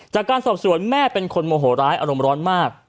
จากการสอบสวนแม่เป็นคนโมโหร้ายอารมณ์ร้อนมาก